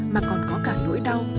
mà còn có cả nỗi đau